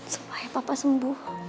supaya papa sembuh